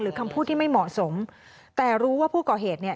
หรือคำพูดที่ไม่เหมาะสมแต่รู้ว่าผู้ก่อเหตุ